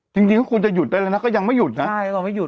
จริงจริงก็ควรจะหยุดได้แล้วนะก็ยังไม่หยุดนะใช่ก็ไม่หยุ